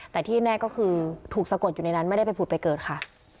แต่ที่แน่ก็คือถูกสะกดอยู่ในนั้นไม่ได้ไปผุดไปเกิดค่ะ